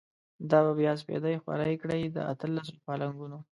دا به بیا سپیدی خوری کړی، داطلسو پالنګونو